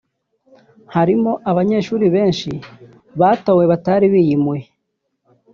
Harimo abanyeshuri benshi batowe batari bariyimuye